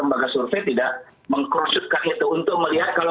untuk melihat kalau duan kamel tidak ada